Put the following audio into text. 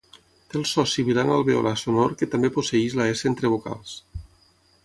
Té el so sibilant alveolar sonor que també posseeix la s entre vocals.